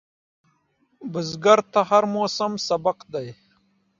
بزګر ته هر موسم یو سبق دی